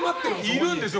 いるんですよ